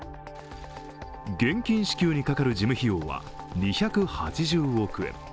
現金支給にかかる事務費用は２８０億円。